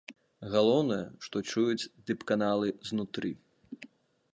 Галоўнае, што чуюць дыпканалы знутры.